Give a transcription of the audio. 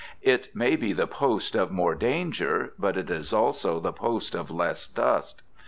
It may be the post of more danger, but it is also the post of less dust.